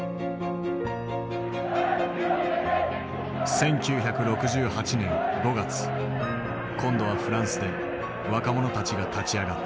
１９６８年５月今度はフランスで若者たちが立ち上がった。